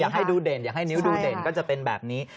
ให้ดูเด่นอยากให้นิ้วดูเด่นก็จะเป็นแบบนี้